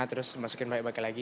terus masukin baik baik lagi